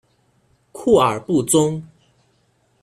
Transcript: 库尔布宗。